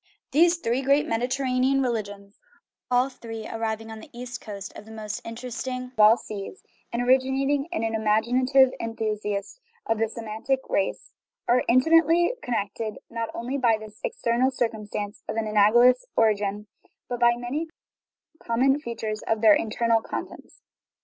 These three great Mediterranean religions, all three arising on the east coast of the most interesting of all seas, and originating in an imaginative enthusiast of the Se mitic race, are intimately connected, not only by this external circumstance of an analogous origin, but by many common features of their internal contents.